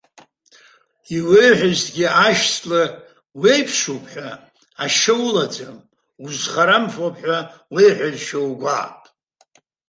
Иуеиҳәазҭгьы ашәҵла уеиԥшуп ҳәа, ашьа улаӡам, узхарамфоуп ҳәа уеиҳәазшәа угәаап.